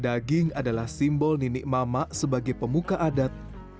daging adalah simbol ninik mama sebagai pemuka adat